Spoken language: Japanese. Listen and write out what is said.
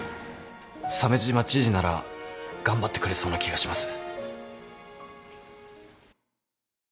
鮫島知事なら頑張ってくれそうな気がします。